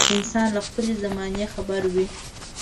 انسان له خپلې زمانې خبر وي.